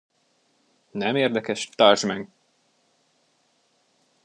Nem érdekes, tartsd meg!